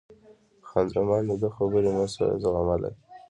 خان زمان د ده خبرې نه شوای زغملای.